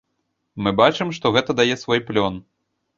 Мы бачым, што гэта дае свой плён.